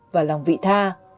và lòng vị tha